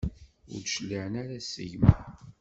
Ur d-cliɛen ara seg-m?